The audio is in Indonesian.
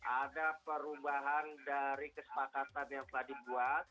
ada perubahan dari kesepakatan yang telah dibuat